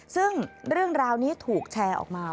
ซึ่งเรื่องราวนี้ถูกแชร์ออกมา